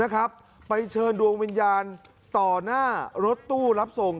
ไปเชิญดวงวิญญาณต่อหน้ารถตู้รับส่ง